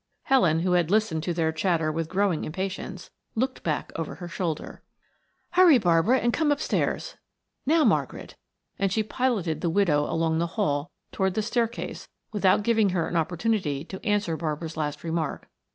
Helen, who had listened to their chatter with growing impatience, looked back over her shoulder. "Hurry, Barbara, and come upstairs. Now, Margaret," and she piloted the widow along the hall toward the staircase without giving her an opportunity to answer Barbara's last remark.